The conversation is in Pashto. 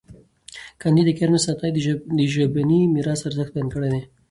کانديد اکاډميسن عطايي د ژبني میراث ارزښت بیان کړی دی.